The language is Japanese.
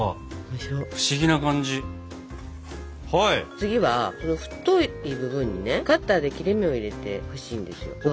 次はこの太い部分にねカッターで切れ目を入れてほしいんですよ。